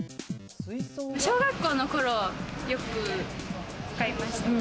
小学校の頃、よく使いました。